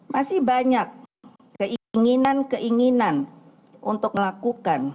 masih banyak keinginan keinginan untuk melakukan